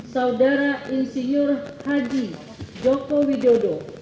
saudara insinyur haji joko widodo